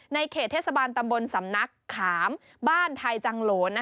เขตเทศบาลตำบลสำนักขามบ้านไทยจังโหล